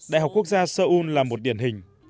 đại học quốc gia seoul là một điển hình